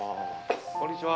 こんにちは。